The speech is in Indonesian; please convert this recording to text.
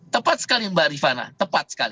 tepat sekali mbak rifana tepat sekali